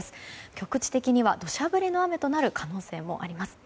局地的には土砂降りの雨となる可能性もあります。